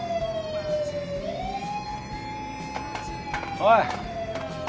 おい。